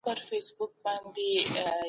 سوله ییزه نړۍ د بشري حقونو پرته ممکنه نه ده.